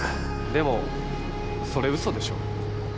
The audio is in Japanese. でもそれ嘘でしょ。